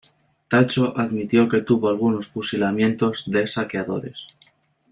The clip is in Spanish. Tacho admitió que hubo algunos fusilamientos de saqueadores.